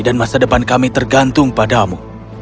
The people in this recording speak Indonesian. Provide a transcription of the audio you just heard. dan masa depan kami tergantung padamu